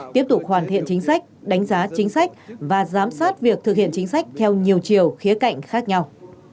tiếp tục hoàn thiện chính sách đánh giá chính sách và giám sát việc thực hiện chính sách theo nhiều chiều khía cạnh khác nhau